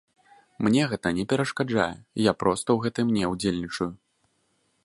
Мне гэта не перашкаджае, я проста ў гэтым не ўдзельнічаю.